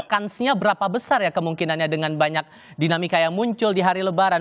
kansnya berapa besar ya kemungkinannya dengan banyak dinamika yang muncul di hari lebaran